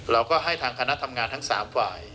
เราก็ให้ทางคณะทำงานทั้ง๓ฝ่าย